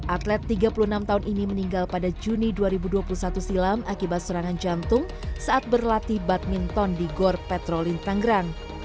atlet tiga puluh enam tahun ini meninggal pada juni dua ribu dua puluh satu silam akibat serangan jantung saat berlatih badminton di gor petrolin tanggerang